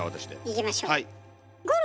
いきましょう。